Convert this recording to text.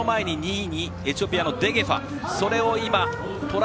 エチオピアのデゲファ。